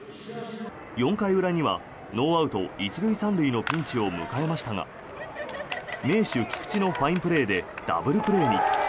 ４回裏にはノーアウト１塁３塁のピンチを迎えましたが名手、菊池のファインプレーでダブルプレーに。